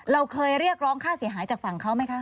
เราเคยเรียกร้องค่าเสียหายจากฝั่งเขาไหมคะ